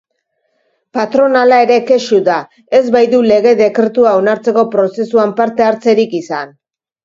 Patronala ere kexu da, ez baitu lege-dekretua onartzeko prozesuan parte hartzerik izan.